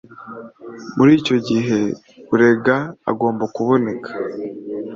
muri icyo gihe urega agomba kuboneka